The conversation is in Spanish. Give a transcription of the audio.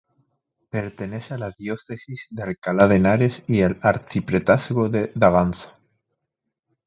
Pertenece a la diócesis de Alcalá de Henares y al arciprestazgo de Daganzo.